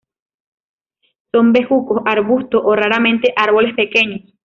Son bejucos, arbustos o raramente árboles pequeños.